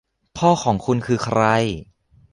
พ่อของคุณคือใคร